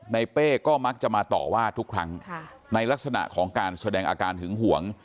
เป้ก็มักจะมาต่อว่าทุกครั้งในลักษณะของการแสดงอาการหึงหวง